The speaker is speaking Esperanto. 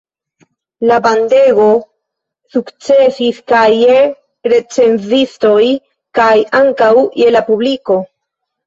La bandego sukcesis kaj je recenzistoj kaj ankaŭ je la publiko.